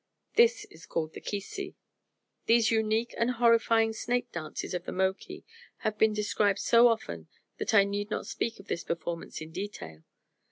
This is called the "kisi." These unique and horrifying snake dances of the Moki have been described so often that I need not speak of this performance in detail.